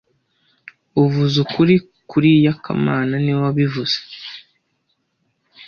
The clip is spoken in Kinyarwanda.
Uvuze ukuri kuriya kamana niwe wabivuze